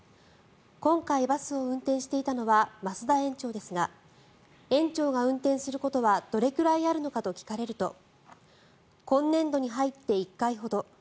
今回、バスを運転していたのは増田園長ですが園長が運転することはどれくらいあるのかと聞かれると今年度に入って１回ほど。